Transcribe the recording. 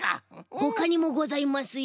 ほかにもございますよ。